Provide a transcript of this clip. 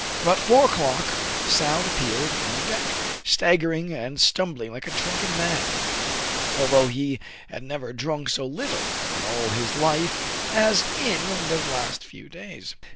About four o'clock Soun appeared on deck, staggering and stumbling like a drunken man, although he had never drunk so little in all his life as in the last few days.